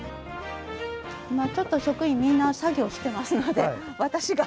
今ちょっと職員みんな作業してますので私が。